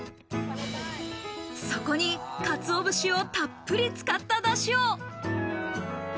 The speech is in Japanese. そこに鰹節をたっぷり使ったダシを。